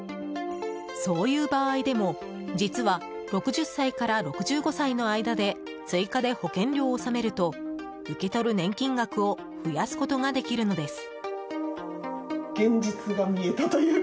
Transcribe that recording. そういう場合でも、実は６０歳から６５歳の間で追加で保険料を納めると受け取る年金額を増やすことができるのです。